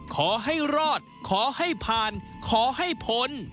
ขอให้รอดขอให้ผ่านขอให้พ้น